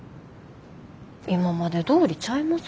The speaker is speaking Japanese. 今までどおりちゃいます？